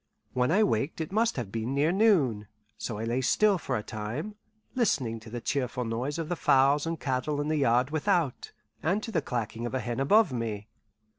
When I waked it must have been near noon, so I lay still for a time, listening to the cheerful noise of fowls and cattle in the yard without, and to the clacking of a hen above me.